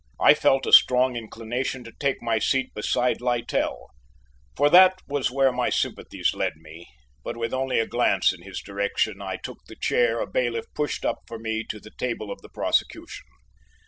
I felt a strong inclination to take my seat beside Littell, for that was where my sympathies led me, but with only a glance in his direction, I took the chair a bailiff pushed up for me to the table of the prosecution.